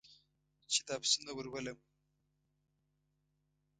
چې دا پسونه ور ولم.